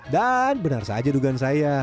dan benar saja dugaan saya